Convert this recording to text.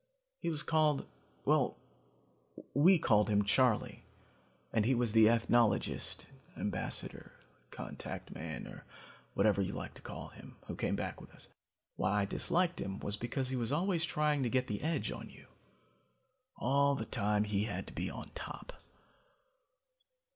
He was called well, we called him Charley, and he was the ethnologist, ambassador, contact man, or whatever you like to call him, who came back with us. Why I disliked him was because he was always trying to get the edge on you. All the time he had to be top.